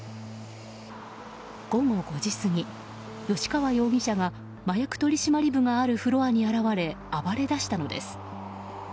午後５時過ぎ、吉川容疑者が麻薬取締部があるフロアに現れ暴れ出したのです。